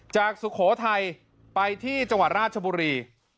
สุโขทัยไปที่จังหวัดราชบุรี